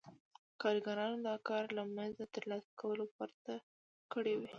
کارګرانو دا کار له مزد ترلاسه کولو پرته کړی وي